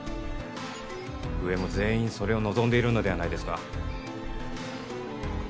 上も全員それを望んでいるのではないですか？